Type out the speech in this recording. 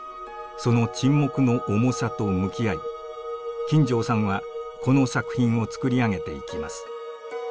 その沈黙の重さと向き合い金城さんはこの作品を作り上げていきます。